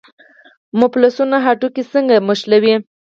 مفصلونه هډوکي څنګه نښلوي؟